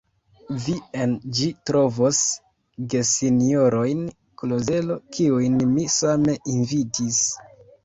Vi en ĝi trovos gesinjorojn Klozelo, kiujn mi same invitis.